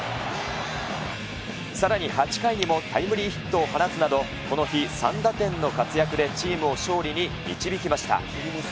さらに８回にもタイムリーヒットを放つなど、この日３打点の活躍で、チームを勝利に導きました。